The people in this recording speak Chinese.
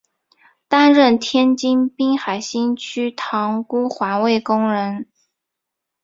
担任天津滨海新区塘沽环卫工人。